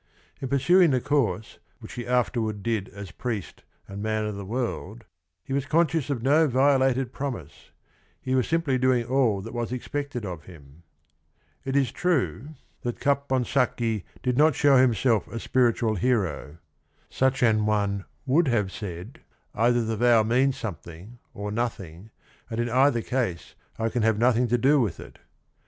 In pursuing the course which he afterward did as priest and man of the world he was conscious of no vio lated promise : he was simply doing all that was expected of him. It is true that Caponsacchi did 96 THE RING AND THE BOOK not show himself a spiritual hero. Such an one would have said "either the vow means some thing or nothing and in either case I can have nothing to do with it."